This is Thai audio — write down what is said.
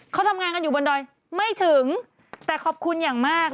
เขาทำงานกันอยู่บนดอยไม่ถึงแต่ขอบคุณอย่างมาก